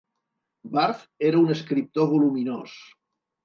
Barth era un escriptor voluminós.